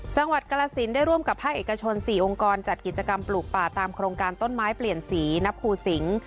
จังหวัดกาละสินฯได้ร่วมกับห้าเอกชน๔องค์กรจัดกิจกรรมปลูกป่าตามโครงการต้นไม้เปลี่ยนสีณภูศิง